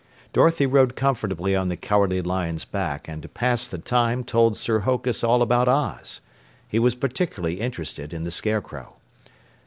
Dorothy rode comfortably on the Cowardly Lion's back and to pass the time told Sir Hokus all about Oz. He was particularly interested in the Scarecrow.